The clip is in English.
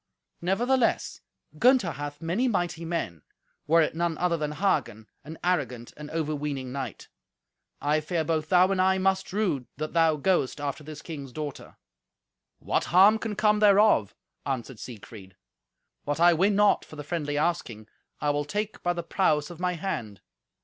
Nevertheless, Gunther hath many mighty men, were it none other than Hagen, an arrogant and overweening knight. I fear both thou and I must rue that thou goest after this king's daughter." "What harm can come thereof?" answered Siegfried. "What I win not for the friendly asking, I will take by the prowess of my hand.